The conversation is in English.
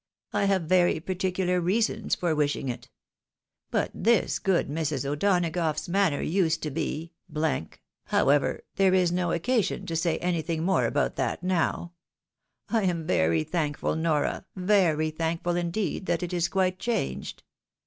I have very particular reasons for wishing it. But this good Mrs. O'Donagough's manner used to be however, there is no occasion to say anything more about that now ; I am very thankful, Nora, very thankful, indeed, that it is quite changed.